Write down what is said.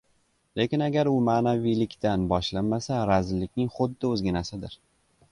lekin agar u ma’naviylikdan boshlanmasa, razillikning xuddi o‘zginasidir.